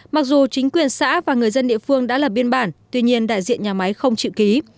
mặc dù chính quyền xã và người dân địa phương đã lập biên bản tuy nhiên đại diện nhà máy không chịu ký